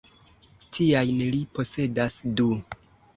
Tiajn li posedas du.